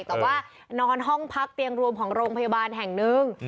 แต่ว่านอนห้องพักเตียงรวมของโรงพยาบาลแห่งหนึ่ง